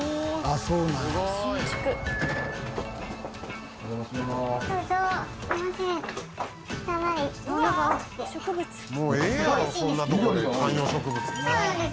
そうなんです。